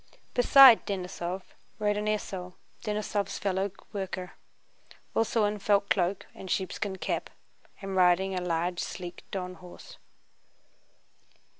Beside Denísov rode an esaul, * Denísov's fellow worker, also in felt cloak and sheepskin cap, and riding a large sleek Don horse.